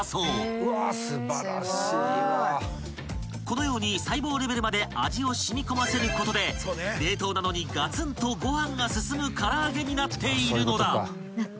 ［このように細胞レベルまで味を染み込ませることで冷凍なのにがつんとご飯が進むから揚げになっているのだ］